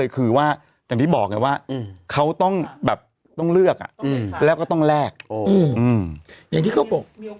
ก็ต้องแลกอืมอย่างที่เขาบอกมีโอกาสที่พี่หนุ่มตอนร้านแบบ